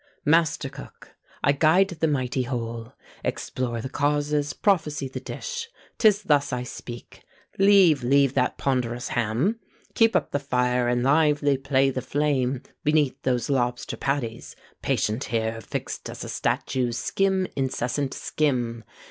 MASTER COOK. I guide the mighty whole; Explore the causes, prophesy the dish. 'Tis thus I speak: "Leave, leave that ponderous ham; Keep up the fire, and lively play the flame Beneath those lobster patties; patient here, Fix'd as a statue, skim, incessant skim.